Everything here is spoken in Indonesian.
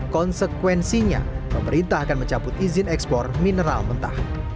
konsekuensinya pemerintah akan mencabut izin ekspor mineral mentah